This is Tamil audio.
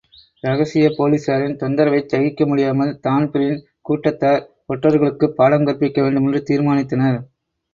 இரகசியப் போலிஸாரின் தொந்தரவைச் சகிக்கமுடியாமல் தான்பிரீன் கூட்டத்தார் ஒற்றர்களுக்குப் பாடம் கற்பிக்க வேண்டுமென்று தீர்மானித்தனர்.